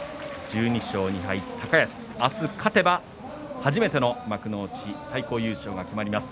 １２勝２敗、高安明日、勝てば初めての幕内最高優勝が決まります。